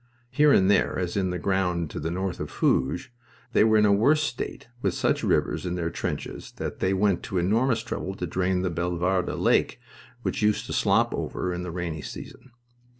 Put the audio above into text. Here and there, as in the ground to the north of Hooge, they were in a worse state, with such rivers in their trenches that they went to enormous trouble to drain the Bellewarde Lake which used to slop over in the rainy season.